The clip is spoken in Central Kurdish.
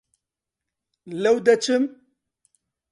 لەو دەچم؟